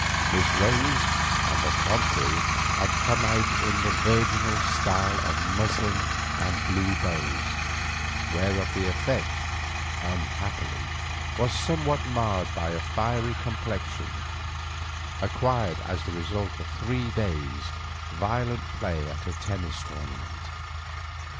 Miss Rose, on the contrary, had come out in the virginal style of muslin and blue bows, whereof the effect, unhappily, was somewhat marred by a fiery complexion, acquired as the result of three days' violent play at a tennis tournament.